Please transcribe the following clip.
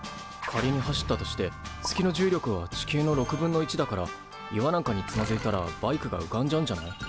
仮に走ったとして月の重力は地球のだから岩なんかにつまずいたらバイクが浮かんじゃうんじゃない？